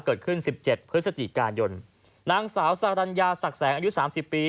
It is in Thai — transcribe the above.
เกิดขึ้นสิบเจ็ดเพื่อสติการยนต์นางสาวสารัญญาสักแสงอายุสามสิบปี